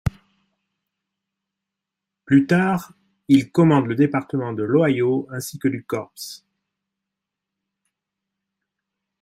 Plus tard, il commande le département de l'Ohio ainsi que du corps.